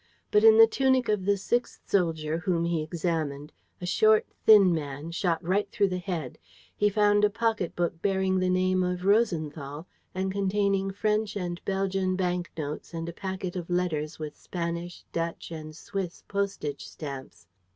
But in the tunic of the sixth soldier whom he examined, a short, thin man, shot right through the head, he found a pocket book bearing the name of Rosenthal and containing French and Belgian bank notes and a packet of letters with Spanish, Dutch and Swiss postage stamps.